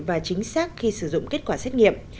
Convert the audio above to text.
và chính xác khi sử dụng kết quả xét nghiệm